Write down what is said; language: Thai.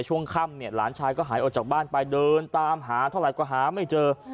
ช่วงข้ำหลานชายก็หายออกจากบ้านไปเดินตามหาไม่เจอ